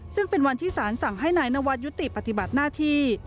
ซึ่งเป็นวันที่สารสั่งให้นายนวัดยุติปฏิบัติหน้าที่